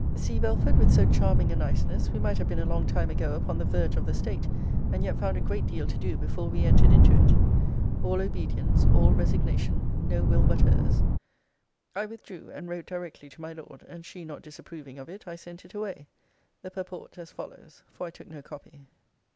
See, Belford, with so charming a niceness, we might have been a long time ago upon the verge of the state, and yet found a great deal to do before we entered into it. All obedience, all resignation no will but her's. I withdrew, and wrote directly to my Lord; and she not disapproving of it, I sent it away. The purport as follows; for I took no copy.